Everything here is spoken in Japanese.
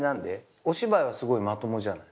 お芝居はすごいまともじゃない。